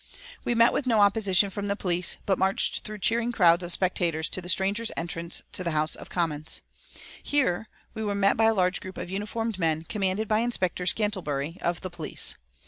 We met with no opposition from the police, but marched through cheering crowds of spectators to the Strangers' Entrance to the House of Commons. Here we were met by a large group of uniformed men commanded by Inspector Scantlebury, of the police.